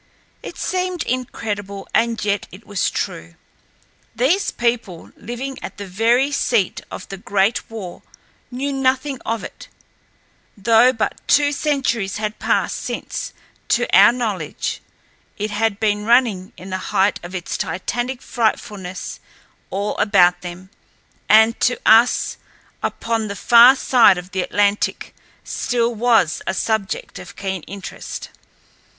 It seemed incredible, and yet it was true. These people living at the very seat of the Great War knew nothing of it, though but two centuries had passed since, to our knowledge, it had been running in the height of its titanic frightfulness all about them, and to us upon the far side of the Atlantic still was a subject of keen interest.